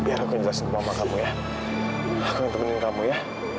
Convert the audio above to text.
biar aku ngejelasin ke mama kamu ya aku ngeuntungin kamu ya